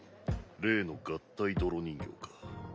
例の合体泥人形か。